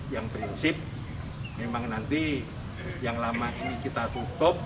yang prinsip memang nanti yang lama ini kita tutup